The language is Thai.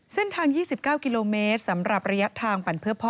๒๙กิโลเมตรสำหรับระยะทางปั่นเพื่อพ่อ